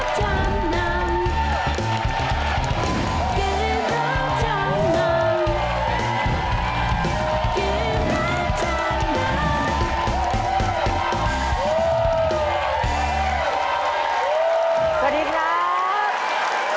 สวัสดีครับ